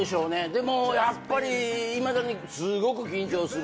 でもやっぱりいまだにすごく緊張する。